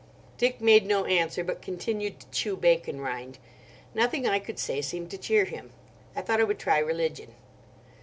Dick made no answer, but continued to chew bacon rind. Nothing I could say seemed to cheer him. I thought I would try religion.